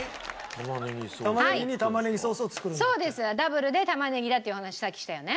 ダブルで玉ねぎだっていう話さっきしたよね？